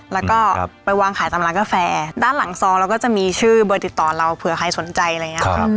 แล้วก็ไปวางขายตามร้านกาแฟด้านหลังซองเราก็จะมีชื่อเบอร์ติดต่อเราเผื่อใครสนใจอะไรอย่างนี้